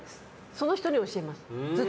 その人に教えます。